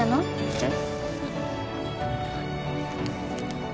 えっ？